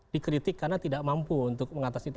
dikritik karena tidak mampu untuk mengatasi itu